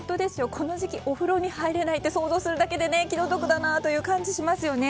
この時期、お風呂に入れないって想像するだけで気の毒だなという感じがしますよね。